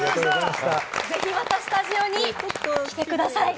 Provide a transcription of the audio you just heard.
ぜひ、またスタジオに来てください。